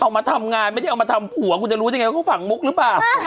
เอามาทำงานไม่ได้เอามาทำผัวคุณจะรู้ได้ไงว่าเขาฝั่งมุกหรือเปล่า